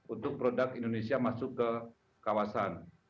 untuk produk indonesia masuk ke kawasan